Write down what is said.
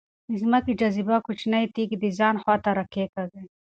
د ځمکې جاذبه کوچنۍ تیږې د ځان خواته راکاږي.